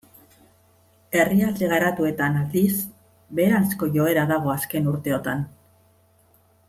Herrialde garatuetan aldiz beheranzko joera dago azken urteotan.